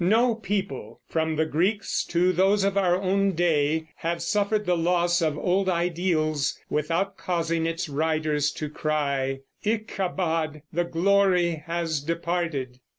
No people, from the Greeks to those of our own day, have suffered the loss of old ideals without causing its writers to cry, "Ichabod! the glory has departed."